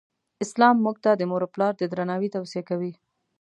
اسلام مونږ ته د مور او پلار د درناوې توصیه کوی.